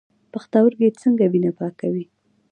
پښتورګي څنګه وینه پاکوي؟